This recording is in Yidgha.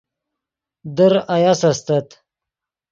در آیاس استت